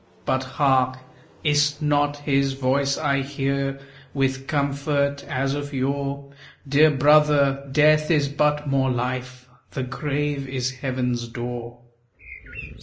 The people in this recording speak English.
But, hark! Is 't not his voice I hear, With comfort as of yore? "Dear brother, Death is but more Life, The grave is heaven's door."